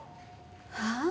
はあ？